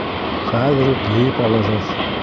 — Хәҙер үк йыйып алығыҙ.